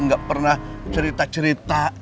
gak pernah cerita cerita